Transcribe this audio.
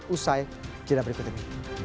usai jadwal berikut ini